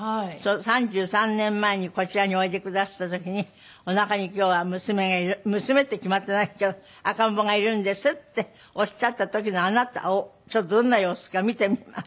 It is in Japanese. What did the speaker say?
３３年前にこちらにおいでくだすった時におなかに今日は娘がいる娘って決まってないけど赤ん坊がいるんですっておっしゃった時のあなたをちょっとどんな様子か見てみます。